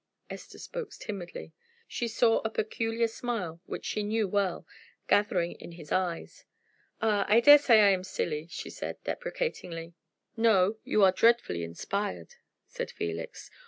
Esther spoke timidly. She saw a peculiar smile, which she knew well, gathering in his eyes. "Ah, I dare say I am silly," she said, deprecatingly. "No, you are dreadfully inspired," said Felix.